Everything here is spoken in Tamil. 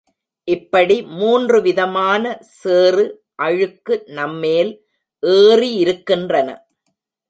இப்படி மூன்று விதமான சேறு, அழுக்கு நம்மேல் ஏறியிருக்கின்றன.